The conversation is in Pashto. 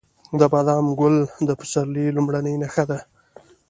د بادام ګل د پسرلي لومړنی نښه ده.